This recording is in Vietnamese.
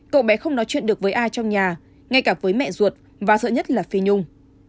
cậu bé không nói chuyện được với ai trong nhà ngay cả với mẹ ruột và sợ nhất là phi nhung